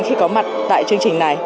khi có mặt tại chương trình này